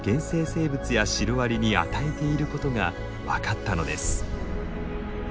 生物やシロアリに与えていることが分かったのです。